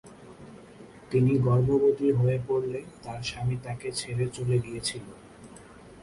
তিনি গর্ভবতী হয়ে পড়লে তার স্বামী তাকে ছেড়ে চলে গিয়েছিল।